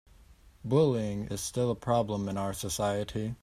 Bullying is still a problem in our society.